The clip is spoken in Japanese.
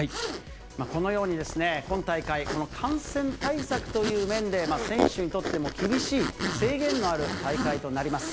このように、今大会、感染対策という面で、選手にとっても、厳しい制限のある大会となります。